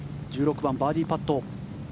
１６番、バーディーパット。